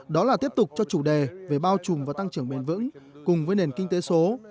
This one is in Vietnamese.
đó là tiếp tục cho chủ đề về bao trùm và tăng trưởng bền vững cùng với nền kinh tế số